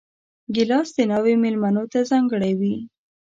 ګیلاس د ناوې مېلمنو ته ځانګړی وي.